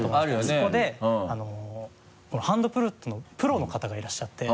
そこでこのハンドフルートのプロの方がいらっしゃって。